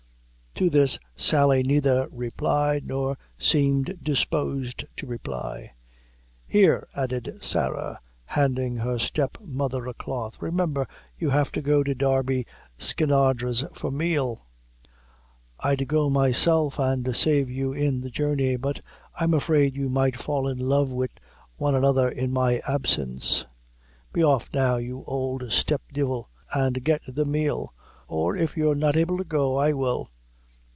To this Sally neither replied, nor seemed disposed to reply. "Here," added Sarah, handing her stepmother a cloth, "remimber you have to go to Darby Skinadre's for meal. I'd go myself, an' save you in the journey, but that I'm afraid you might fall in love wid one another in my absence. Be off now, you ould stepdivle, an' get the meal; or if you're not able to go, I will."